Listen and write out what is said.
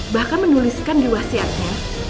bahkan menuliskan di wasiatnya